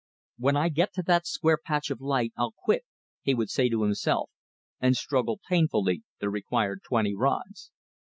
"When I get to that square patch of light, I'll quit," he would say to himself, and struggle painfully the required twenty rods.